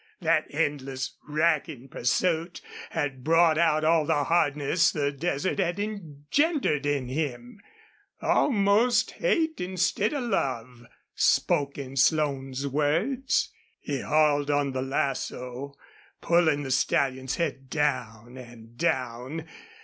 That endless, racking pursuit had brought out all the hardness the desert had engendered in him. Almost hate, instead of love, spoke in Slone's words. He hauled on the lasso, pulling the stallion's head down and down.